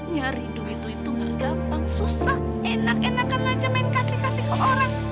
nyari duit itu itu gak gampang susah enak enakan aja main kasih kasih ke orang